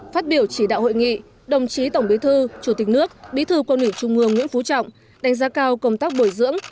phát biểu chỉ đạo hội nghị đồng chí tổng bí thư chủ tịch nước bí thư quân ủy trung ương nguyễn phú trọng đánh giá cao công tác bồi dưỡng